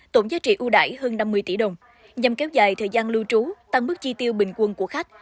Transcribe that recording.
tổng giá trị ưu đải hơn năm mươi tỷ đồng nhằm kéo dài thời gian lưu trú tăng mức chi tiêu bình quân của khách